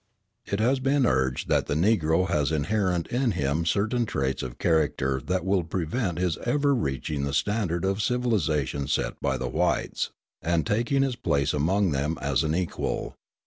It has been urged that the Negro has inherent in him certain traits of character that will prevent his ever reaching the standard of civilisation set by the whites, and taking his place among them as an equal.